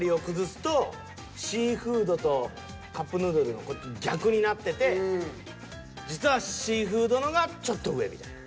シーフードとカップヌードル逆になってて実はシーフードの方がちょっと上みたいな。